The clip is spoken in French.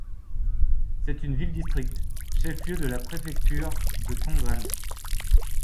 C'est une ville-district, chef-lieu de la préfecture de Tongren.